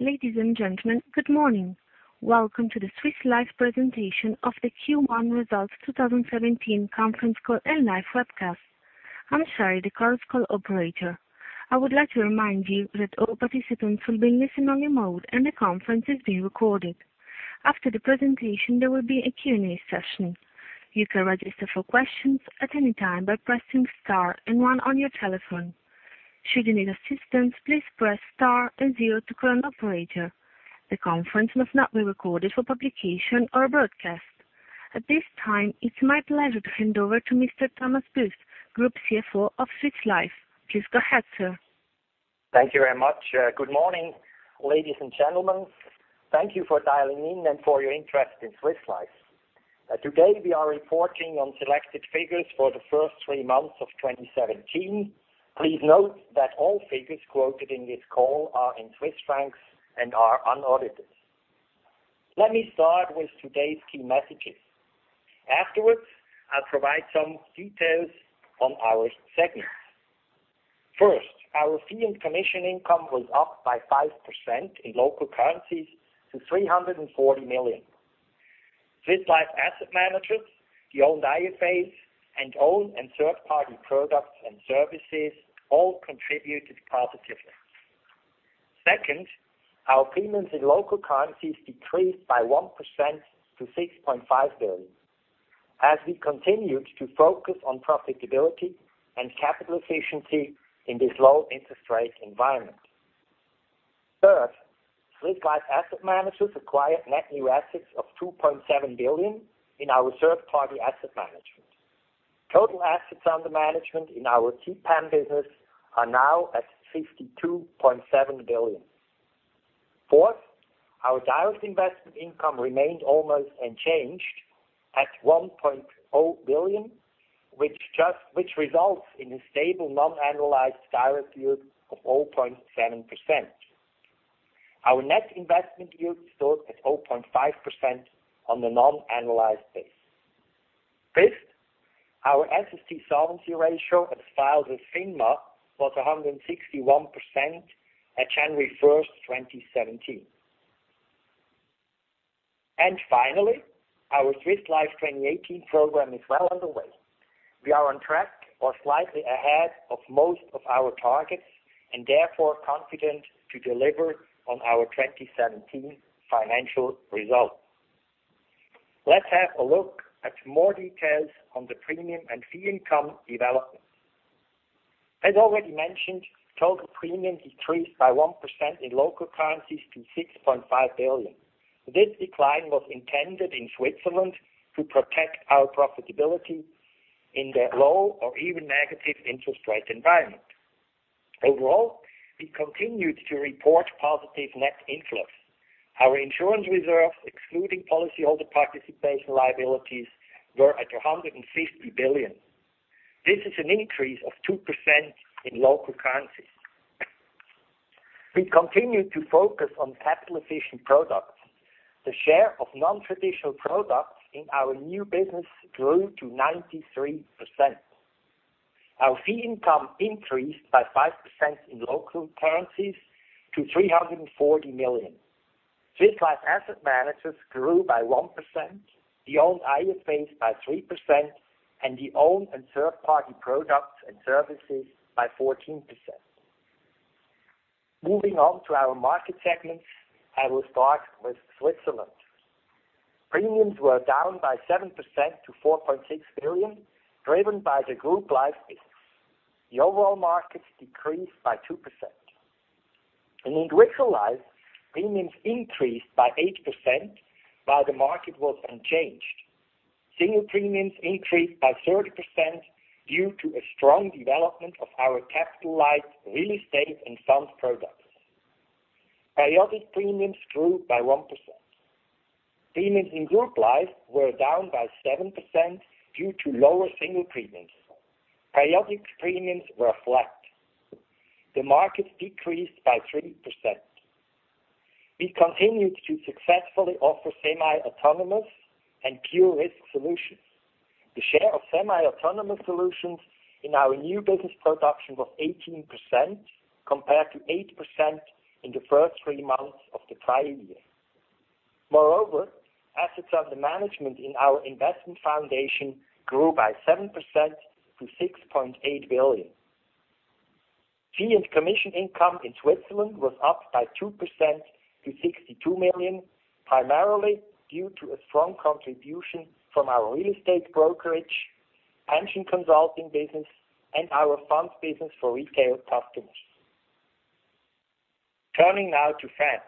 Ladies and gentlemen, good morning. Welcome to the Swiss Life presentation of the Q1 Results 2017 conference call and live webcast. I'm Sherry, the current call operator. I would like to remind you that all participants will be listening in mode, and the conference is being recorded. After the presentation, there will be a Q&A session. You can register for questions at any time by pressing star and one on your telephone. Should you need assistance, please press star and zero to call an operator. The conference must not be recorded for publication or broadcast. At this time, it's my pleasure to hand over to Mr. Thomas Buess, Group Chief Financial Officer of Swiss Life. Please go ahead, sir. Thank you very much. Good morning, ladies and gentlemen. Thank you for dialing in and for your interest in Swiss Life. Today, we are reporting on selected figures for the first three months of 2017. Please note that all figures quoted in this call are in Swiss francs and are unaudited. Let me start with today's key messages. Afterwards, I'll provide some details on our segments. First, our fee and commission income was up by 5% in local currencies to 340 million. Swiss Life Asset Managers, the owned IFAs, and own and third-party products and services all contributed positively. Second, our premiums in local currencies decreased by 1% to 6.5 billion, as we continued to focus on profitability and capital efficiency in this low interest rate environment. Third, Swiss Life Asset Managers acquired net new assets of 2.7 billion in our third-party asset management. Total assets under management in our TPAM business are now at 52.7 billion. Fourth, our direct investment income remained almost unchanged at 1.0 billion, which results in a stable non-annualized direct yield of 0.7%. Our net investment yield stood at 0.5% on a non-annualized base. Fifth, our SST solvency ratio as filed with FINMA was 161% at January 1st, 2017. Finally, our Swiss Life 2018 program is well underway. We are on track or slightly ahead of most of our targets and therefore confident to deliver on our 2017 financial results. Let's have a look at more details on the premium and fee income developments. As already mentioned, total premium decreased by 1% in local currencies to 6.5 billion. This decline was intended in Switzerland to protect our profitability in the low or even negative interest rate environment. Overall, we continued to report positive net influx. Our insurance reserves, excluding policyholder participation liabilities, were at 150 billion. This is an increase of 2% in local currencies. We continued to focus on capital-efficient products. The share of non-traditional products in our new business grew to 93%. Our fee income increased by 5% in local currencies to 340 million. Swiss Life Asset Managers grew by 1%, the owned IFAs by 3%, and the owned and third-party products and services by 14%. Moving on to our market segments, I will start with Switzerland. Premiums were down by 7% to 4.6 billion, driven by the group life business. The overall market decreased by 2%. In individual life, premiums increased by 8% while the market was unchanged. Single premiums increased by 30% due to a strong development of our capital life real estate and funds products. Periodic premiums grew by 1%. Premiums in group life were down by 7% due to lower single premiums. Periodic premiums were flat. The market decreased by 3%. We continued to successfully offer semi-autonomous and pure risk solutions. The share of semi-autonomous solutions in our new business production was 18%, compared to 8% in the first three months of the prior year. Assets under management in our investment foundation grew by 7% to 6.8 billion. Fee and commission income in Switzerland was up by 2% to 62 million, primarily due to a strong contribution from our real estate brokerage, pension consulting business, and our funds business for retail customers. Turning now to France.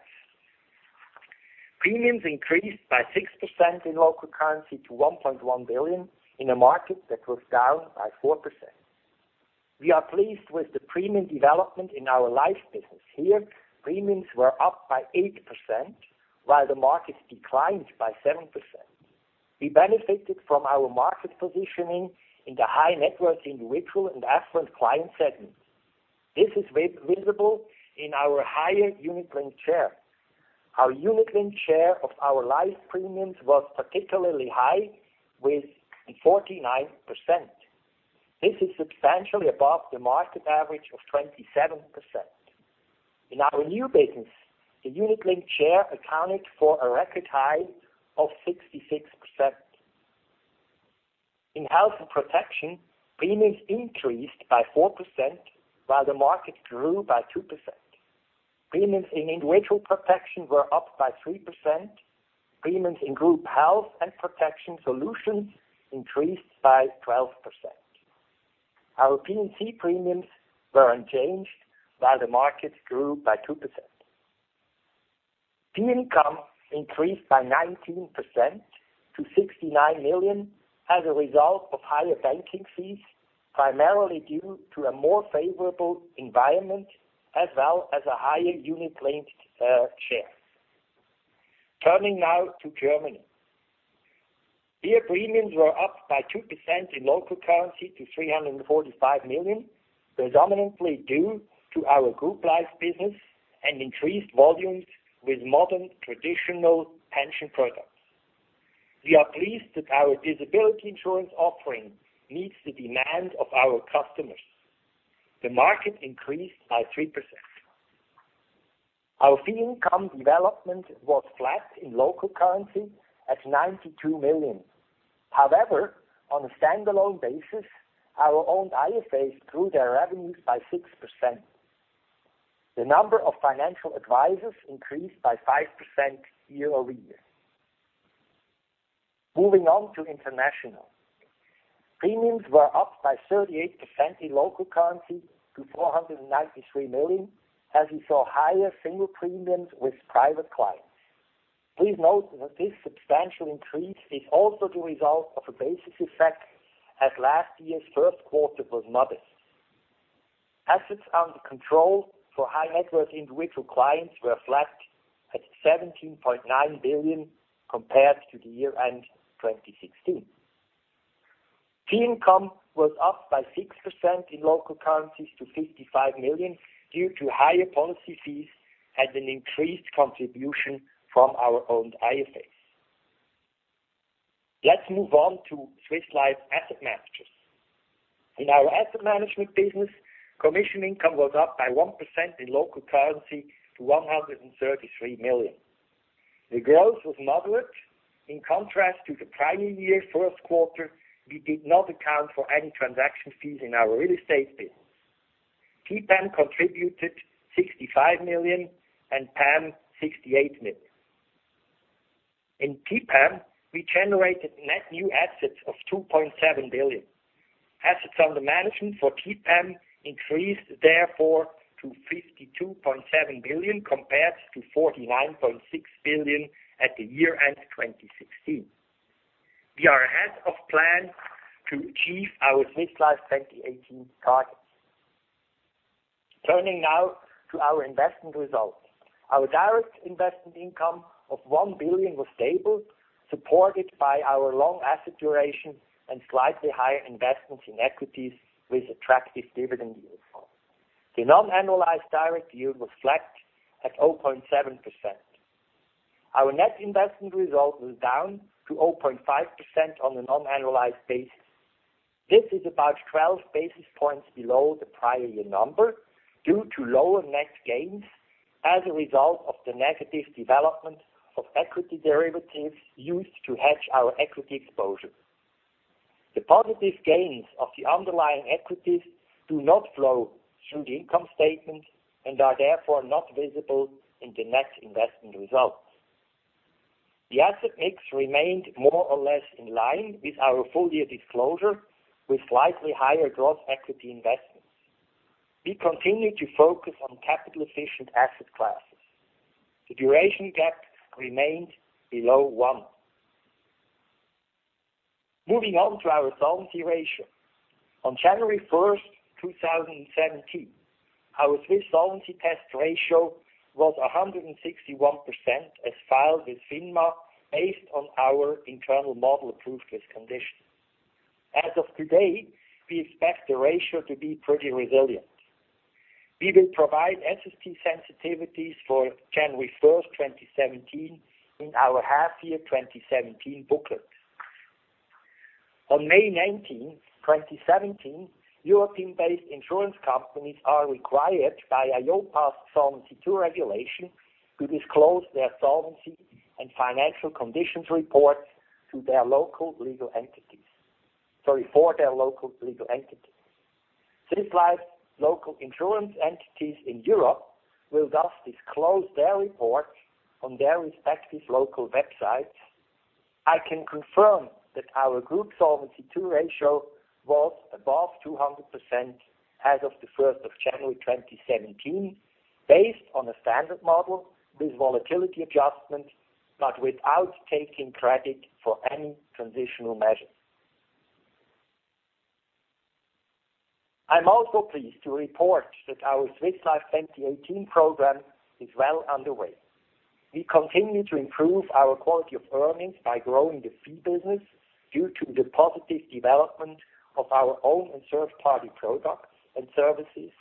Premiums increased by 6% in local currency to 1.1 billion in a market that was down by 4%. We are pleased with the premium development in our life business. Here, premiums were up by 8% while the market declined by 7%. We benefited from our market positioning in the high-net-worth individual and affluent client segment. This is visible in our higher unit-linked share. Our unit-linked share of our life premiums was particularly high with 49%. This is substantially above the market average of 27%. In our new business, the unit-linked share accounted for a record high of 66%. In health and protection, premiums increased by 4%, while the market grew by 2%. Premiums in individual protection were up by 3%. Premiums in group health and protection solutions increased by 12%. Our P&C premiums were unchanged while the market grew by 2%. Fee income increased by 19% to 69 million as a result of higher banking fees, primarily due to a more favorable environment as well as a higher unit-linked share. Turning now to Germany. Fee premiums were up by 2% in local currency to 345 million, predominantly due to our group life business and increased volumes with modern traditional pension products. We are pleased that our disability insurance offering meets the demand of our customers. The market increased by 3%. Our fee income development was flat in local currency at 92 million. On a standalone basis, our owned IFAs grew their revenues by 6%. The number of financial advisors increased by 5% year over year. Moving on to international. Premiums were up by 38% in local currency to 493 million, as we saw higher single premiums with private clients. Please note that this substantial increase is also the result of a basis effect, as last year's first quarter was modest. Assets under control for high-net-worth individual clients were flat at 17.9 billion compared to the year-end 2016. Fee income was up by 6% in local currencies to 55 million due to higher policy fees and an increased contribution from our owned IFAs. Let's move on to Swiss Life Asset Managers. In our asset management business, commission income was up by 1% in local currency to 133 million. The growth was moderate. In contrast to the prior year first quarter, we did not account for any transaction fees in our real estate business. TPAM contributed 65 million and PAM 68 million. In TPAM, we generated net new assets of 2.7 billion. Assets under management for TPAM increased therefore to 52.7 billion, compared to 49.6 billion at the year-end 2016. We are ahead of plan to achieve our Swiss Life 2018 targets. Turning now to our investment results. Our direct investment income of 1 billion was stable, supported by our long asset duration and slightly higher investments in equities with attractive dividend yield. The non-annualized direct yield was flat at 0.7%. Our net investment result was down to 0.5% on a non-annualized basis. This is about 12 basis points below the prior year number due to lower net gains as a result of the negative development of equity derivatives used to hedge our equity exposure. The positive gains of the underlying equities do not flow through the income statement and are therefore not visible in the net investment results. The asset mix remained more or less in line with our full year disclosure, with slightly higher gross equity investments. We continue to focus on capital-efficient asset classes. The duration gap remained below one. Moving on to our solvency ratio. On January 1st, 2017, our Swiss Solvency Test ratio was 161%, as filed with FINMA, based on our internal model approved risk condition. As of today, we expect the ratio to be pretty resilient. We will provide SST sensitivities for January 1st, 2017, in our half year 2017 booklet. On May 19, 2017, European-based insurance companies are required by EIOPA Solvency II regulation to disclose their solvency and financial conditions reports for their local legal entities. Swiss Life local insurance entities in Europe will thus disclose their report on their respective local websites. I can confirm that our group Solvency II ratio was above 200% as of the 1st of January 2017, based on a standard model with volatility adjustment, but without taking credit for any transitional measures. I'm also pleased to report that our Swiss Life 2018 program is well underway. We continue to improve our quality of earnings by growing the fee business due to the positive development of our own and third-party products and services,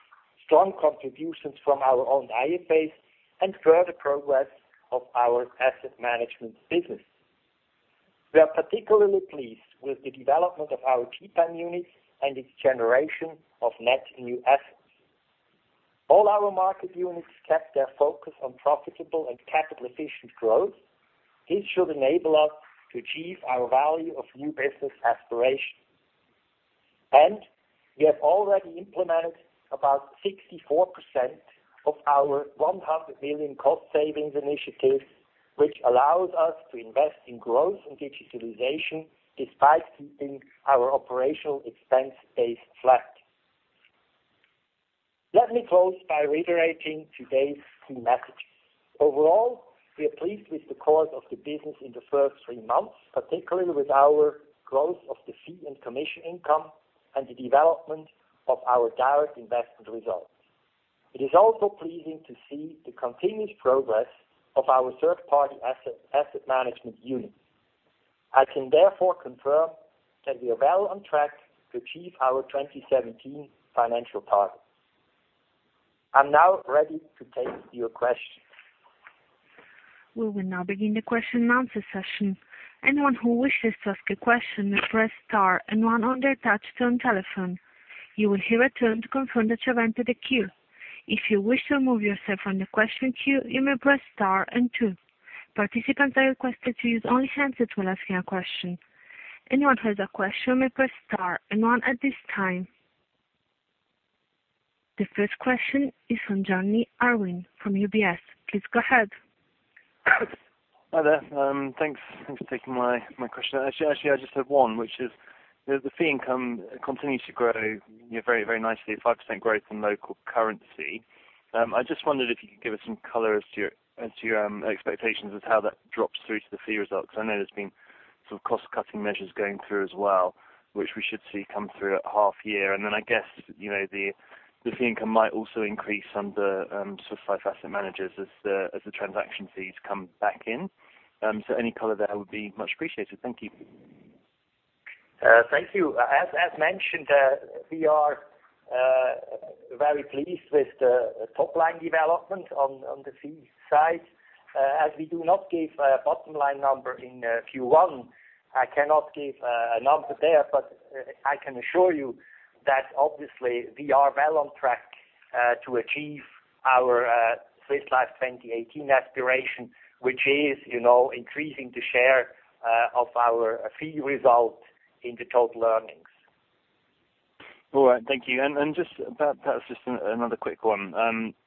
strong contributions from our own IFAs, and further progress of our asset management business. We are particularly pleased with the development of our TPAM unit and its generation of net new assets. All our market units kept their focus on profitable and capital-efficient growth. This should enable us to achieve our value of new business aspiration. We have already implemented about 64% of our 100 million cost savings initiative, which allows us to invest in growth and digitalization despite keeping our operational expense base flat. Let me close by reiterating today's key messages. Overall, we are pleased with the course of the business in the first three months, particularly with our growth of the fee and commission income and the development of our direct investment results. It is also pleasing to see the continuous progress of our Third-Party Asset Management unit. I can therefore confirm that we are well on track to achieve our 2017 financial targets. I'm now ready to take your questions. We will now begin the question and answer session. Anyone who wishes to ask a question, press star and one on their touch-tone telephone. You will hear a tone to confirm that you have entered the queue. If you wish to remove yourself from the question queue, you may press star and two. Participants are requested to use only hands when asking a question. Anyone who has a question may press star and one at this time. The first question is from John Irwin from UBS. Please go ahead. Hi there. Thanks for taking my question. Actually, I just have one, which is, the fee income continues to grow very nicely, at 5% growth in local currency. I just wondered if you could give us some color as to your expectations of how that drops through to the fee results. I know there's been some cost-cutting measures going through as well, which we should see come through at half year. Then I guess, the fee income might also increase under Swiss Life Asset Managers as the transaction fees come back in. Any color there would be much appreciated. Thank you. Thank you. As mentioned, we are very pleased with the top-line development on the fee side. As we do not give a bottom-line number in Q1, I cannot give a number there, but I can assure you that obviously we are well on track to achieve our Swiss Life 2018 aspiration, which is increasing the share of our fee result in the total earnings. All right. Thank you. Just another quick one.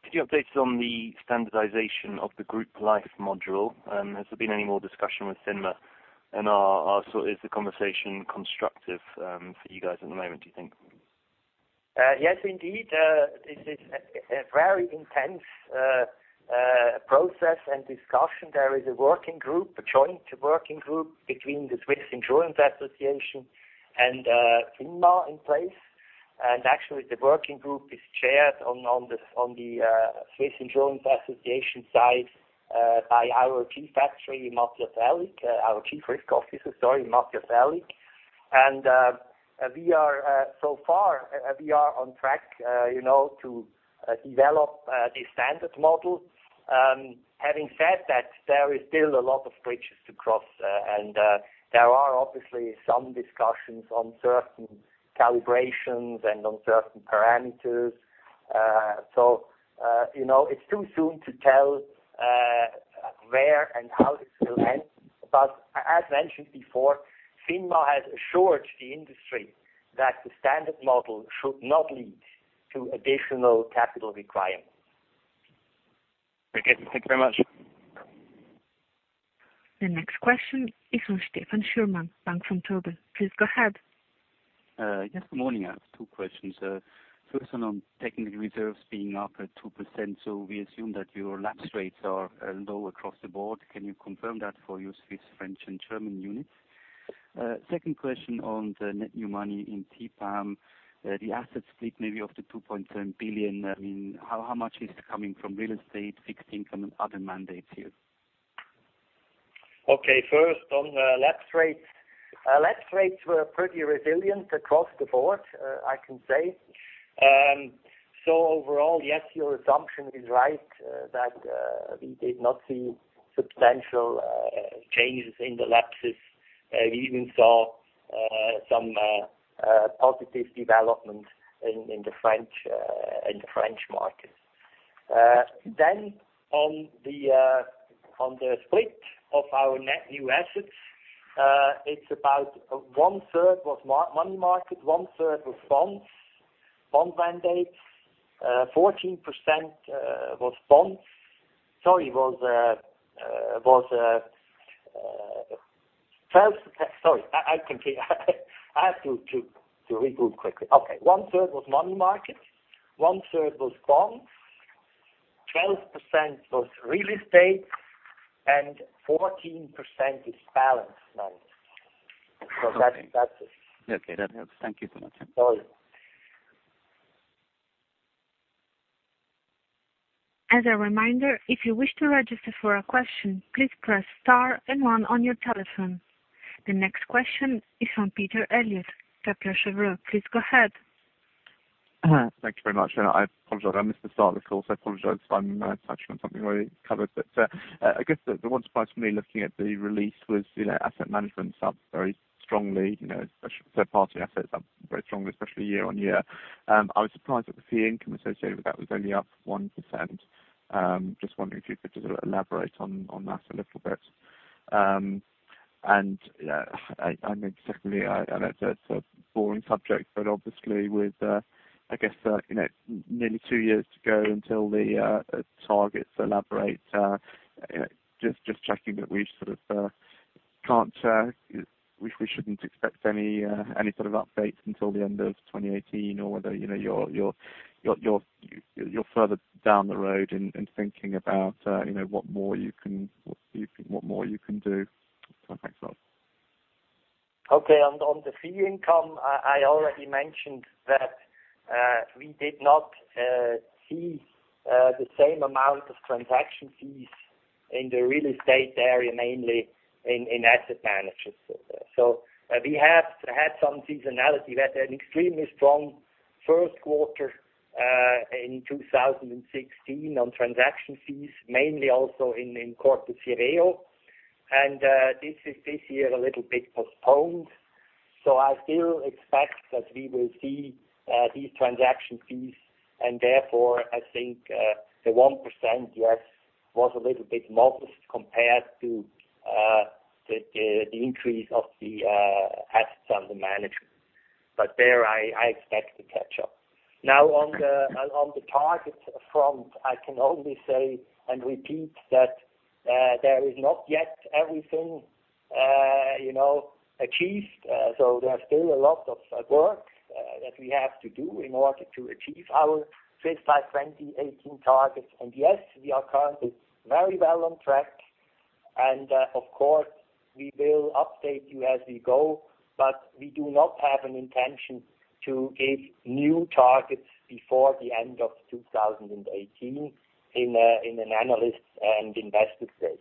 Could you update us on the standardization of the Group Life module? Has there been any more discussion with FINMA? Is the conversation constructive for you guys at the moment, do you think? Yes, indeed. This is a very intense process and discussion. There is a working group, a joint working group between the Swiss Insurance Association and FINMA in place. Actually, the working group is chaired on the Swiss Insurance Association side by our Chief Risk Officer, Matthias Aellig. So far, we are on track to develop the standard model. Having said that, there is still a lot of bridges to cross, and there are obviously some discussions on certain calibrations and on certain parameters. It's too soon to tell where and how this will end. As mentioned before, FINMA has assured the industry that the standard model should not lead to additional capital requirements. Okay. Thank you very much. The next question is from Stefan Schürmann, Bank Vontobel. Please go ahead. Yes. Good morning. I have two questions. First one on technical reserves being up at 2%. We assume that your lapse rates are low across the board. Can you confirm that for your Swiss, French, and German units? Second question on the net new money in TPAM, the asset split maybe of the 2.7 billion. How much is coming from real estate, fixed income, and other mandates here? Okay. First on lapse rates. Lapse rates were pretty resilient across the board, I can say. Overall, yes, your assumption is right, that we did not see substantial changes in the lapses. We even saw some positive development in the French market. On the split of our net new assets, it's about one-third was money market, one-third was bonds, bond mandates. 14% was bonds. Sorry. I have to regroup quickly. Okay. One-third was money market, one-third was bonds, 12% was real estate, and 14% is balanced now. That's it. That helps. Thank you so much. Sorry. As a reminder, if you wish to register for a question, please press star and one on your telephone. The next question is from Peter Eliot, Credit Suisse. Please go ahead. Thank you very much. I apologize, I missed the start of the call, I apologize if I'm touching on something already covered. I guess the one surprise for me looking at the release was asset management's up very strongly, third-party assets up very strongly, especially year-on-year. I was surprised that the fee income associated with that was only up 1%. Just wondering if you could just elaborate on that a little bit. Secondly, I know it's a boring subject, but obviously with, I guess, nearly two years to go until the targets elaborate, just checking that we shouldn't expect any sort of updates until the end of 2018, or whether you're further down the road in thinking about what more you can do. Thanks a lot. Okay. On the fee income, I already mentioned that we did not see the same amount of transaction fees in the real estate area, mainly in asset management. We have had some seasonality. We had an extremely strong first quarter, in 2016 on transaction fees, mainly also in Corpus Sireo. This year, a little bit postponed. I still expect that we will see these transaction fees, and therefore, I think, the 1%, yes, was a little bit modest compared to the increase of the assets under management. There I expect to catch up. Now on the targets front, I can only say and repeat that there is not yet everything achieved. There are still a lot of work that we have to do in order to achieve our Swiss Life 2018 targets. Yes, we are currently very well on track. Of course, we will update you as we go, but we do not have an intention to give new targets before the end of 2018 in an analyst and investor day.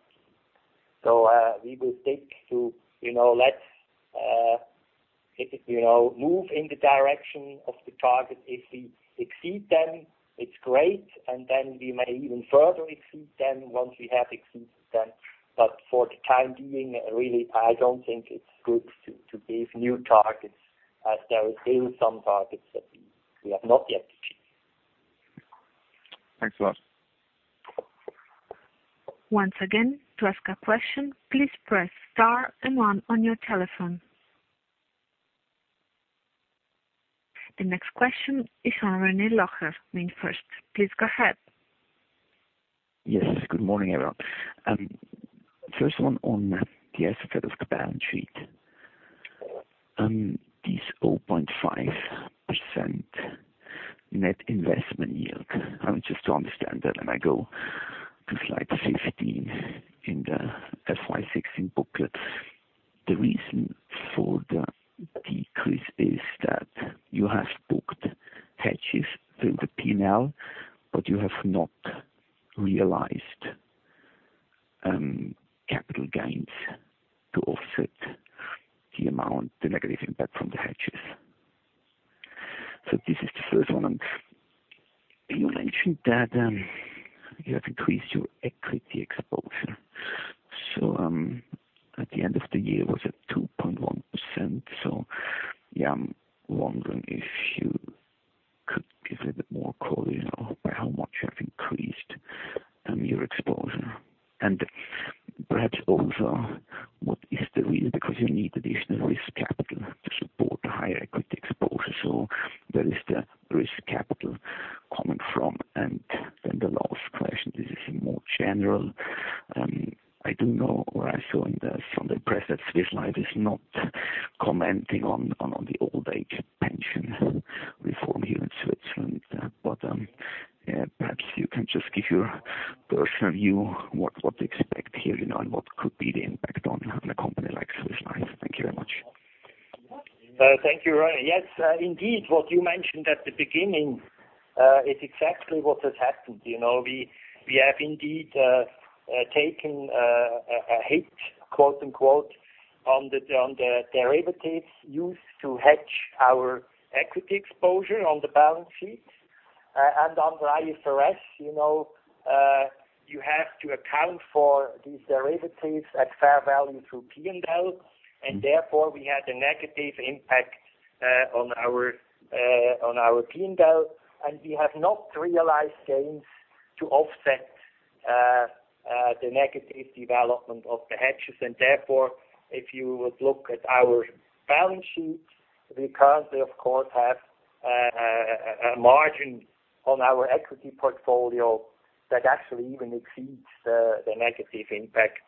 We will stick to let's move in the direction of the target. If we exceed them, it's great, and then we may even further exceed them once we have exceeded them. For the time being, really, I don't think it's good to give new targets as there are still some targets that we have not yet achieved. Thanks a lot. Once again, to ask a question, please press star and one on your telephone. The next question is from René Lacher, MainFirst. Please go ahead. Yes. Good morning, everyone. First one on the asset of balance sheet. This 0.5% net investment yield. Just to understand that, I go to slide 15 in the FY 2016 booklet. The reason for the decrease is that you have booked hedges through the P&L, but you have not realized capital gains to offset the amount, the negative impact from the hedges. This is the first one. You mentioned that you have increased your equity exposure. At the end of the year, was it 2.1%? I'm wondering if you could give a little bit more color by how much you have increased your exposure. Perhaps also, what is the reason? Because you need additional risk capital to support the higher equity exposure. Where is the risk capital coming from? The last question, this is more general. I do know, or I saw in the Sunday press that Swiss Life is not commenting on the old-age pension reform here in Switzerland. Perhaps you can just give your personal view, what to expect here and what could be the impact on a company like Swiss Life. Thank you very much. Thank you, René. Yes, indeed. What you mentioned at the beginning, is exactly what has happened. We have indeed taken a hit, quote-unquote, on the derivatives used to hedge our equity exposure on the balance sheet. Under IFRS, you have to account for these derivatives at fair value through P&L, therefore, we had a negative impact on our P&L. We have not realized gains to offset the negative development of the hedges. Therefore, if you would look at our balance sheet, we currently, of course, have a margin on our equity portfolio that actually even exceeds the negative impact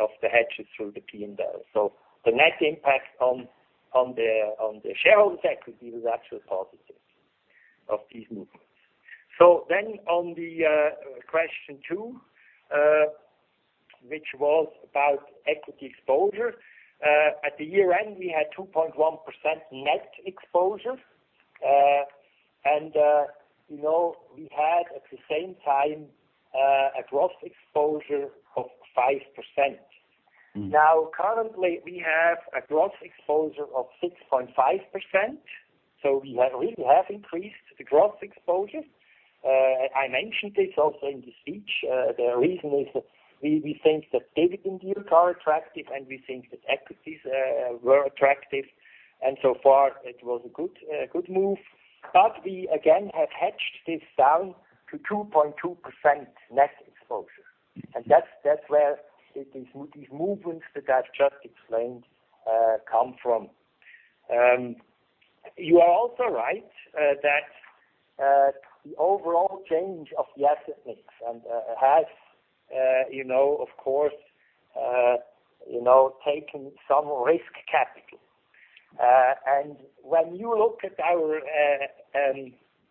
of the hedges through the P&L. The net impact on the shareholder's equity was actually positive of these movements. On the question two, which was about equity exposure. At the year-end, we had 2.1% net exposure, we had at the same time a gross exposure of 5%. Currently we have a gross exposure of 6.5%, we really have increased the gross exposure. I mentioned this also in the speech. The reason is that we think that dividend deals are attractive, we think that equities were attractive. So far it was a good move. We again have hedged this down to 2.2% net exposure. That's where these movements that I've just explained come from. You are also right that the overall change of the asset mix and has of course taken some risk capital. When you look at our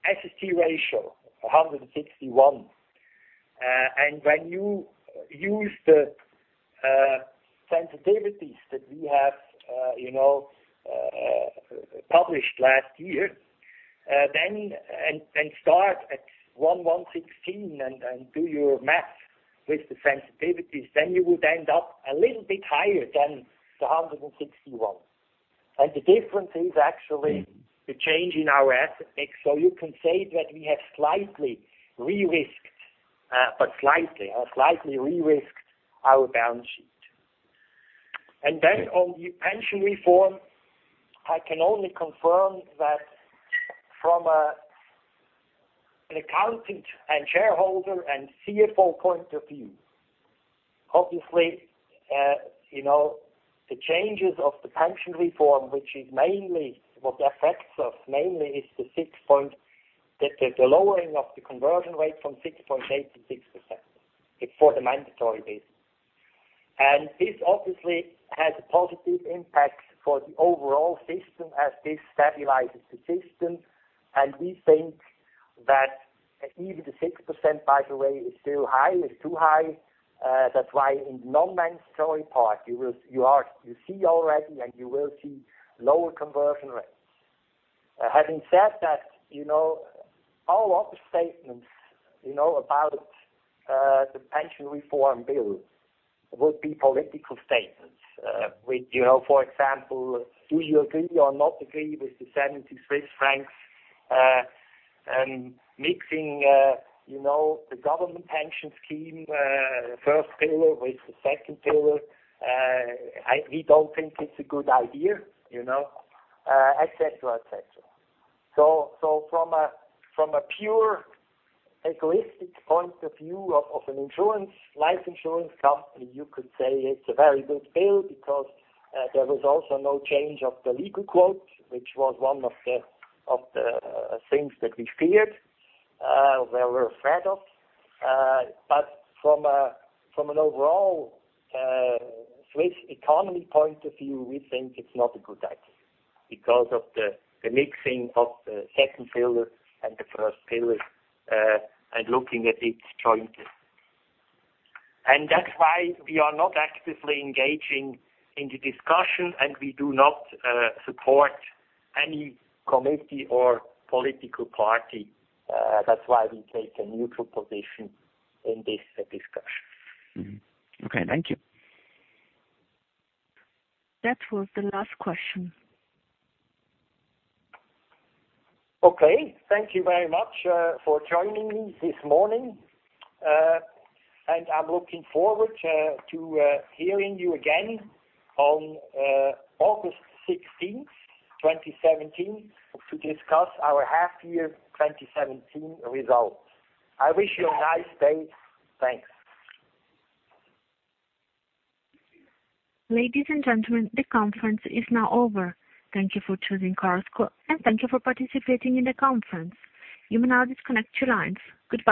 SST ratio, 161, and when you use the sensitivities that we have published last year, and start at 116 and do your math with the sensitivities, then you would end up a little bit higher than the 161. The difference is actually the change in our asset mix. You can say that we have slightly re-risked our balance sheet. Then on the pension reform, I can only confirm that from an accountant and shareholder and CFO point of view, obviously, the changes of the pension reform, what affects us mainly is the lowering of the conversion rate from 6.8% to 6%. It's for the mandatory basis. This obviously has a positive impact for the overall system as this stabilizes the system. We think that even the 6%, by the way, is still high, is too high. That's why in the non-mandatory part, you see already and you will see lower conversion rates. Having said that, all other statements about the pension reform bill would be political statements. For example, do you agree or not agree with the 70 francs and mixing the government pension scheme, first pillar with the second pillar? We don't think it's a good idea, et cetera. From a pure egoistic point of view of an life insurance company, you could say it's a very good bill because there was also no change of the legal quote, which was one of the things that we feared, we were afraid of. From an overall Swiss economy point of view, we think it's not a good idea because of the mixing of the second pillar and the first pillar, and looking at it jointly. That's why we are not actively engaging in the discussion, and we do not support any committee or political party. That's why we take a neutral position in this discussion. Okay. Thank you. That was the last question. Okay. Thank you very much for joining me this morning. I'm looking forward to hearing you again on August 16th, 2017, to discuss our half year 2017 results. I wish you a nice day. Thanks. Ladies and gentlemen, the conference is now over. Thank you for choosing Chorus Call, and thank you for participating in the conference. You may now disconnect your lines. Goodbye.